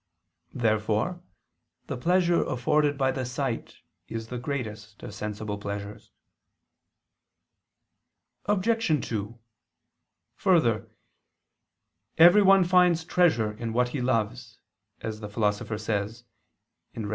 Therefore the pleasure afforded by the sight is the greatest of sensible pleasures. Obj. 2: Further, "every one finds treasure in what he loves," as the Philosopher says (Rhet.